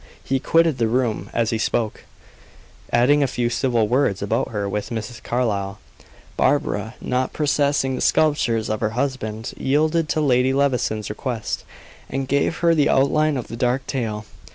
He quitted the room as he spoke, adding a few civil words about her with Mrs. Carlyle. Barbara, not possessing the scruples of her husband, yielded to Lady Levison's request, and gave her the outline of the dark tale.